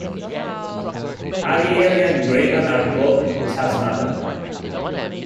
Arielian graben are called "chasmata".